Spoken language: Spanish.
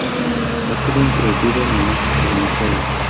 Ha sido introducido en el norte de Venezuela.